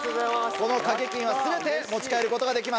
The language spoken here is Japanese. この賭け金は全て持ち帰ることができます。